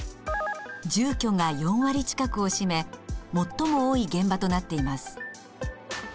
住居が４割近くを占め最も多い現場となっています。